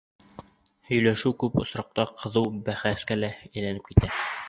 Һөйләшеү күп осраҡта ҡыҙыу бәхәскә лә әйләнеп китә.